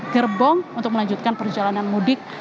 gerbong untuk melanjutkan perjalanan mudik